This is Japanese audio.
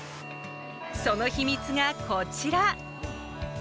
その秘密がこちら。